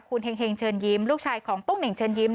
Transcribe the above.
คุณเฮงเชิญยิ้มลูกชายของปุ้งเห่งเชิญยิ้ม